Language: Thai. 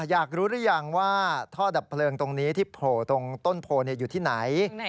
อยากรู้หรือยังว่าท่อดับเพลิงตรงนี้ที่โผล่ตรงต้นโพอยู่ที่ไหน